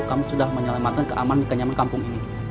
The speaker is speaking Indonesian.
kamu sudah menyelamatkan keamanan dan kenyamanan kampung ini